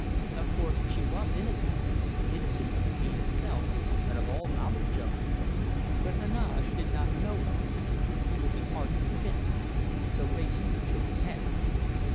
Of course, she was innocent, innocent of the deed itself and of all knowledge of it. But Heneage did not know her; he would be hard to convince. So Wrayson shook his head.